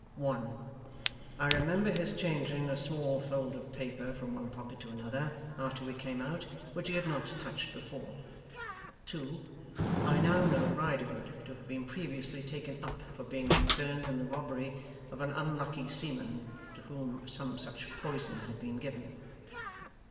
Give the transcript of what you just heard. One: I remember his changing a small folded paper from one pocket to another, after we came out, which he had not touched before. Two: I now know Riderhood to have been previously taken up for being concerned in the robbery of an unlucky seaman, to whom some such poison had been given.